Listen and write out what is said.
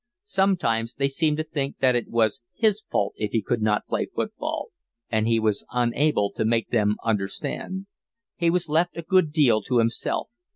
Sometimes they seemed to think that it was his fault if he could not play football, and he was unable to make them understand. He was left a good deal to himself.